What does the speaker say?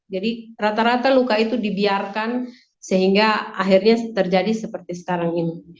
rata rata luka itu dibiarkan sehingga akhirnya terjadi seperti sekarang ini